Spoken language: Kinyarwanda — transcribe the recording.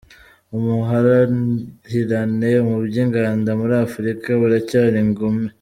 Ubuhahirane mu by’inganda muri Afurika buracyari ingume